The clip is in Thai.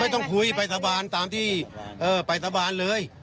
ต้องคุยไปสาบานตามที่ไปสาบานเลย